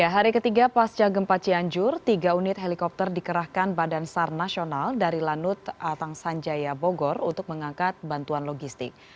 hari ketiga pasca gempa cianjur tiga unit helikopter dikerahkan badan sar nasional dari lanut atang sanjaya bogor untuk mengangkat bantuan logistik